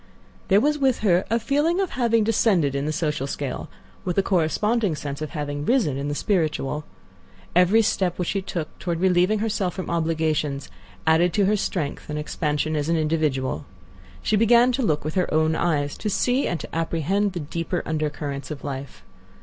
There was with her a feeling of having descended in the social scale, with a corresponding sense of having risen in the spiritual. Every step which she took toward relieving herself from obligations added to her strength and expansion as an individual. She began to look with her own eyes; to see and to apprehend the deeper undercurrents of life.